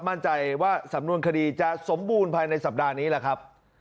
มั่นใจว่าสำนวนคดีจะสมบูรณ์ภายในสัปดาห์นี้แหละครับ